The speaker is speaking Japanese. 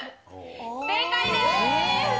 正解です。